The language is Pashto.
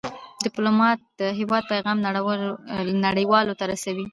ډيپلومات د هېواد پېغام نړیوالو ته رسوي.